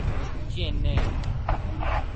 چینّے